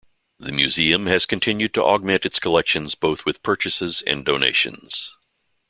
The museum has continued to augment its collections both with purchases and donations.